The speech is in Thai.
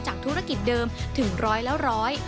ธุรกิจเดิมถึงร้อยละร้อย